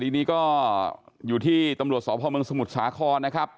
ทีนี้ก็อยู่ที่ตำรวจสพเมืองสมุทรสาครนะครับ